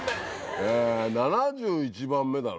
え７１番目だろ。